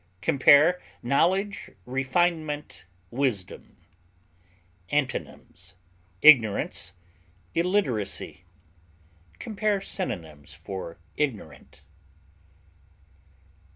Compare KNOWLEDGE; REFINEMENT; WISDOM. Antonyms: ignorance, illiteracy. Compare synonyms for IGNORANT.